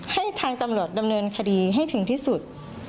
ให้ทางตำรวจดำเนินคดีให้ถึงที่สุด